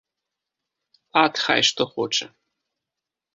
Ат, хай што хоча.